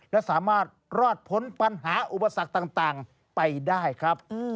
และสามารถรอดพ้นปัญหาอุปสรรคต่างไปได้ครับ